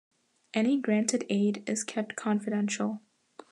Any granted aid is kept confidential.